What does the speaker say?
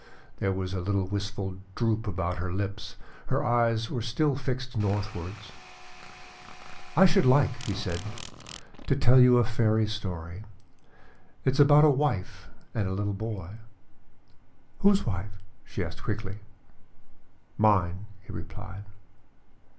There was a little wistful droop about her lips; her eyes were still fixed northwards. "I should like," he said, "to tell you a fairy story. It is about a wife and a little boy." "Whose wife?" she asked quickly. "Mine," he replied.